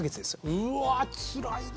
うわつらいな。